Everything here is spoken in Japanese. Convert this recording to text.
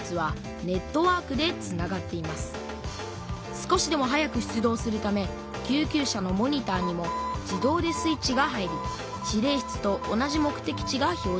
少しでも早く出動するため救急車のモニターにも自動でスイッチが入り指令室と同じ目的地が表じされます。